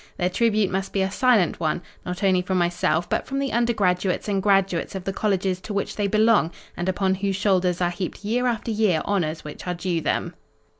Their tribute must be a silent one, not only from myself but from the undergraduates and graduates of the colleges to which they belong and upon whose shoulders are heaped year after year honors which are due them.